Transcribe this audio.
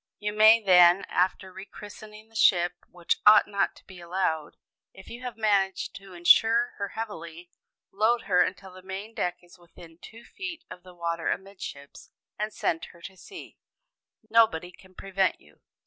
You may then (after re christening the ship, which ought not to be allowed), if you have managed to insure her heavily, load her until the main deck is within two feet of the water amidships, and send her to sea. Nobody can prevent you.